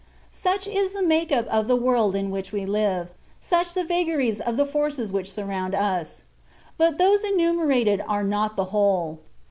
Such is the make up of the world in which we live, such the vagaries of the forces which surround us. But those enumerated are not the whole.